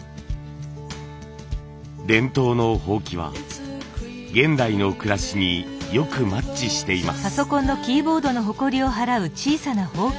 伝統の箒は現代の暮らしによくマッチしています。